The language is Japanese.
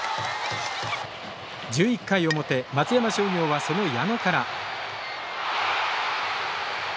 １１回表松山商業は、その矢野から。